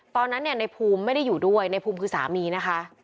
ตอนนั้นเนี่ยในภูมิไม่ได้อยู่ด้วยในภูมิคือสามีนะคะ